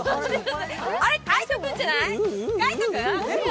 あれっ、海音君じゃない？